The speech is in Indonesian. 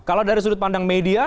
kalau dari sudut pandang media